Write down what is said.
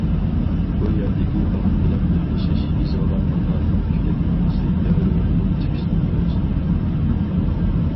بۇ يەردىكى ۋاقىت بىلەن بىرلىشىش يېزىلغان ماقالىنىڭ پىكىر نۇقتىسى دەۋر روھىنى چىقىشنى كۆرسىتىدۇ.